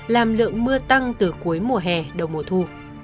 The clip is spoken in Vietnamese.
làm lượng mưa tăng từ cuối mùa hè đầu mùa thu